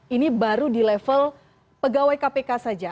ini baru di level pegawai kpk saja